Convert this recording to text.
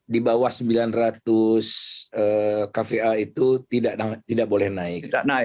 di bawah rp sembilan ratus itu tidak boleh naik